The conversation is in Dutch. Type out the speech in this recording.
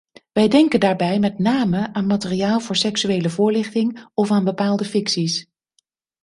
Wij denken daarbij met name aan materiaal voor seksuele voorlichting of aan bepaalde ficties.